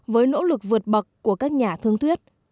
với nỗ lực vượt bậc của các nhà thương thuyết